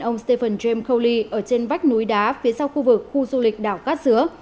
ông stephen james coley ở trên vách núi đá phía sau khu vực khu du lịch đảo cát sứa